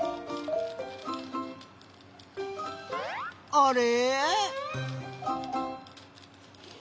あれ？